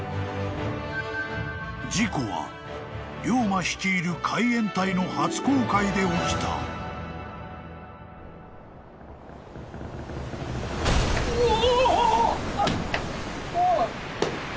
［事故は龍馬率いる海援隊の初航海で起きた］うわ！